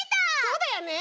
そうだよね！